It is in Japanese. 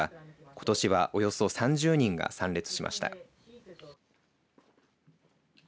ことしはおよそ３０人が参加しました。